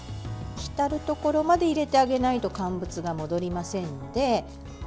浸るところまで入れてあげないと乾物が戻りませんので。